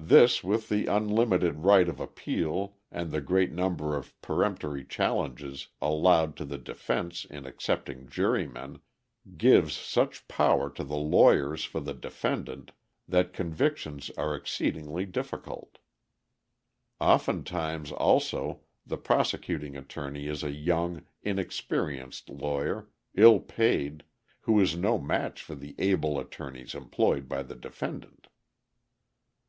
This, with the unlimited right of appeal and the great number of peremptory challenges allowed to the defence in accepting jurymen, gives such power to the lawyers for the defendant that convictions are exceedingly difficult. Oftentimes, also, the prosecuting attorney is a young, inexperienced lawyer, ill paid, who is no match for the able attorneys employed by the defendant.